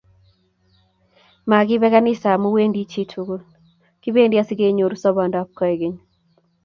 Makibe kanisa amu wendi chitukul, kibendi asikenyoru sobondop koikeny